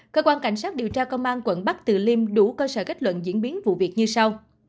cơ quan cảnh sát điều tra công an quận bắc từ liêm đủ cơ sở kết luận diễn biến vụ việc như sau